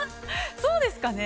そうですかね？